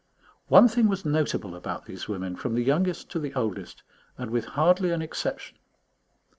One thing was notable about these women, from the youngest to the oldest, and with hardly an exception.